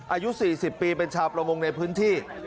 อายุ๔๐ปีเป็นชาวประมงในพื้นที่